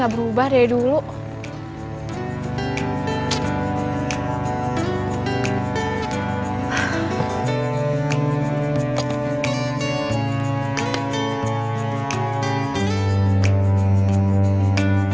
gak berubah dari dulu